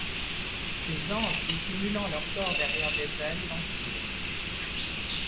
Des anges dissimulant leurs corps derrière des ailes l'entourent.